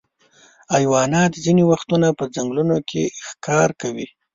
حیوانات ځینې وختونه په ځنګلونو کې ښکار کوي.